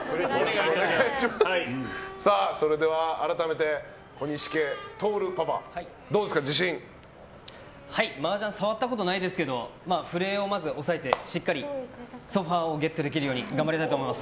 それでは改めて小西家、徹パパマージャン触ったことないですけど震えを抑えて、しっかりソファをゲットできるように頑張りたいと思います。